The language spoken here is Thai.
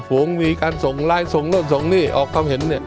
วงมีการส่งไลน์ส่งโน่นส่งนี่ออกความเห็นเนี่ย